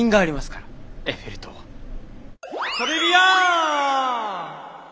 トレビアン！